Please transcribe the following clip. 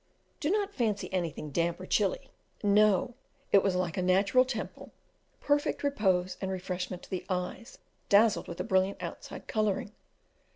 Do not fancy anything damp or chilly. No; it was like a natural temple perfect repose and refreshment to the eyes dazzled with the brilliant outside colouring.